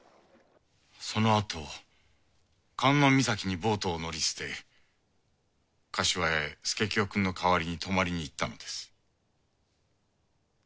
そのあと観音岬にボートを乗り捨て柏屋へ佐清くんのかわりに泊まりにいったのです。